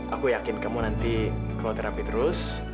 aku yakin kamu nanti kalau terapi terus